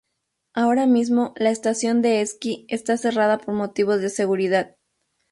Ahora mismo la estación de esquí está cerrada por motivos de seguridad.